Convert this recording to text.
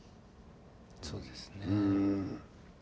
そうですね。